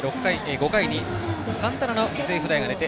５回にサンタナの犠牲フライが出て